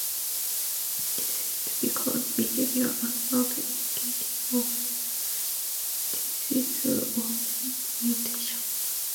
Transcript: This is typical behavior and not indicative of disease or mutation.